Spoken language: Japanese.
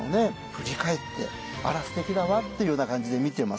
振り返って「あら素敵だわ」っていうような感じで見てます。